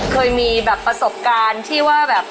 เคยมีแบบประสบการณ์ที่ว่าแบบ